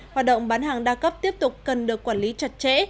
hoạt động bán hàng đa cấp tiếp tục cần được quản lý chặt chẽ